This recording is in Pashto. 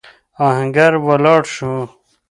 آهنګر ولاړ شو.